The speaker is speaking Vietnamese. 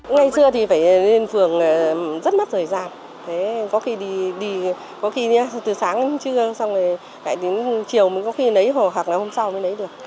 ngày xưa thì phải lên phường rất mất thời gian có khi từ sáng đến chiều mới có khi lấy hoặc hôm sau mới lấy được